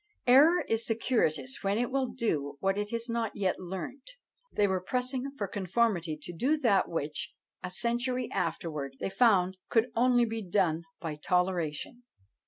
Error is circuitous when it will do what it has not yet learnt. They were pressing for conformity to do that which, a century afterwards, they found could only be done by toleration.